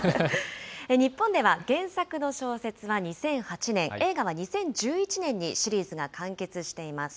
日本では原作の小説が２００８年、映画は２０１１年にシリーズが完結しています。